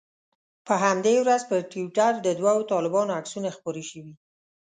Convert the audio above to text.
په همدې ورځ پر ټویټر د دوو طالبانو عکسونه خپاره شوي.